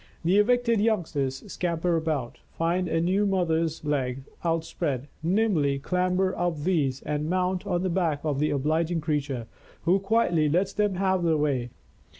The evicted youngsters scamper about, find the new mother's legs outspread, nimbly clamber up these and mount on 190 THE TREASURE CHEST the back of the obliging creature, who quietly lets them have their way.